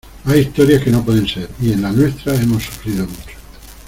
hay historias que no pueden ser y en la nuestra hemos sufrido mucho.